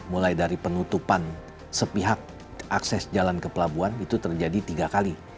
mulai dari penutupan sepihak akses jalan ke pelabuhan itu terjadi tiga kali